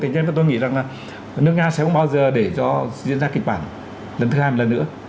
thế nhưng mà tôi nghĩ rằng là nước nga sẽ không bao giờ để cho diễn ra kịch bản lần thứ hai một lần nữa